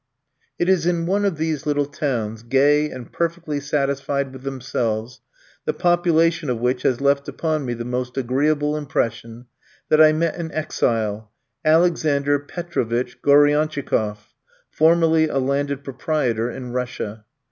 It is in one of these little towns gay and perfectly satisfied with themselves, the population of which has left upon me the most agreeable impression that I met an exile, Alexander Petrovitch Goriantchikoff, formerly a landed proprietor in Russia.